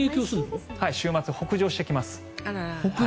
週末に北上してきます。